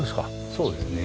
そうですね